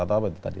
atau apa itu tadi